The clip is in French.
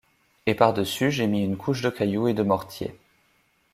Et par-dessus j’ai mis une couche de cailloux et de mortier.